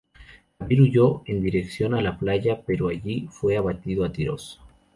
Javier huyó en dirección a la playa, pero allí fue abatido a tiros.